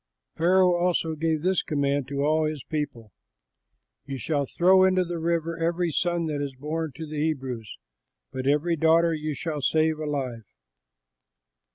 Pharaoh also gave this command to all his people, "You shall throw into the river every son that is born to the Hebrews, but every daughter you shall save alive."